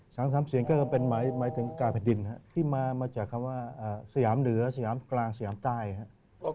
สามสามเสียงก็คือเป็นหมายถึงกายแผ่นดินครับที่มาจากคำว่าสยามเหนือสยามกลางสยามใต้ครับ